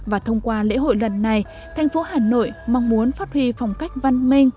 và thông qua lễ hội lần này thành phố hà nội mong muốn phát huy phong cách văn minh